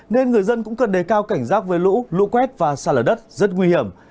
nên người dân cũng cần đề cao cảnh giác với lũ lũ quét và xa lở đất rất nguy hiểm